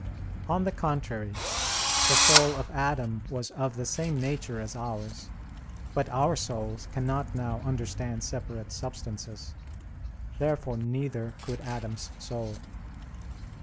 On the contrary, The soul of Adam was of the same nature as ours. But our souls cannot now understand separate substances. Therefore neither could Adam's soul.